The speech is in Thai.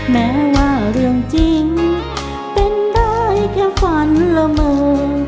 แม้ว่าเรื่องจริงเป็นได้แค่ฝันละเมอ